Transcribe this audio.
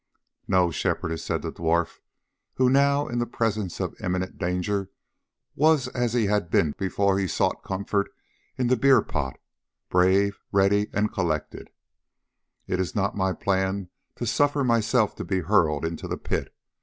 "No, Shepherdess," said the dwarf, who now in the presence of imminent danger was as he had been before he sought comfort in the beer pot, brave, ready, and collected, "it is not my plan to suffer myself to be hurled into the pit.